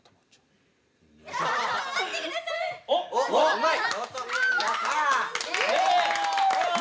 うまい！